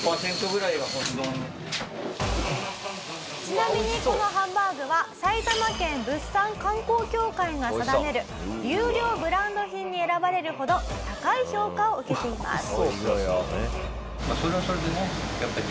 ちなみにこのハンバーグは埼玉県物産観光協会が定める優良ブランド品に選ばれるほど高い評価を受けています。